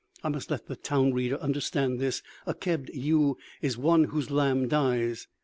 I must let the town reader understand this. A kebbed ewe is one whose lamb dies.